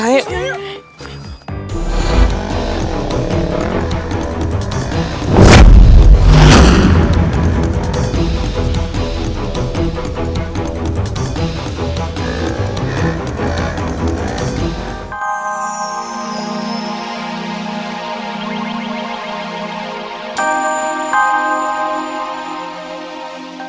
yuk yuk yuk